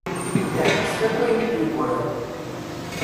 Iḥettet akk ayen i d-yeggran.